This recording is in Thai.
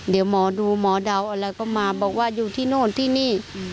เดี๋ยวหมอดูหมอเดาอะไรก็มาบอกว่าอยู่ที่โน่นที่นี่